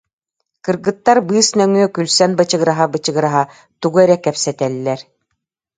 Кыргыттар быыс нөҥүө күлсэн бычыгыраһа-бычыгыраһа тугу эрэ кэпсэтэллэр